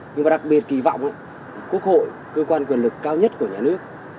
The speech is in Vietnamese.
nhưng mà đặc biệt kỳ vọng quốc hội cơ quan quyền lực cao nhất của nhà nước